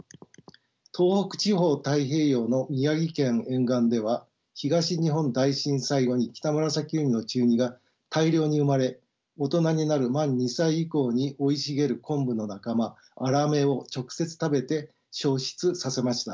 東北地方太平洋の宮城県沿岸では東日本大震災後にキタムラサキウニの稚ウニが大量に生まれ大人になる満２歳以降に生い茂るコンブの仲間アラメを直接食べて消失させました。